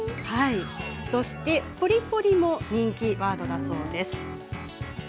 そしてポリポリも人気ワードだそうです。